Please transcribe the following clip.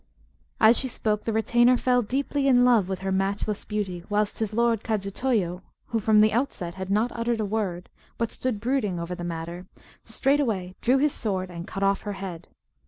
As she spoke, the retainer fell deeply in love with her matchless beauty, whilst his lord Kadzutoyo, who from the outset had not uttered a word, but stood brooding over the matter, straightway drew his sword and cut off her head.